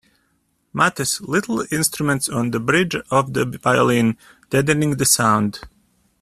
Mutes little instruments on the bridge of the violin, deadening the sound.